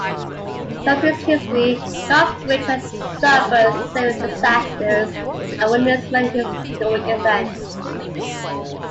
Throughout its history, Charles Bridge has suffered several disasters and witnessed many historic events.